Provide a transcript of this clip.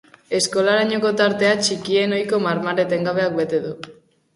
Eskolarainoko tartea txikien ohiko marmar etengabeak bete du.